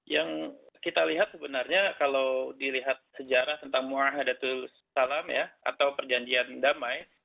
yang kita lihat sebenarnya kalau dilihat sejarah tentang muahadatul salam ya atau perjanjian damai